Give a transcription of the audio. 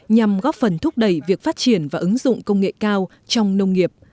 nhằm góp phần thúc đẩy việc phát triển và ứng dụng công nghệ cao trong nông nghiệp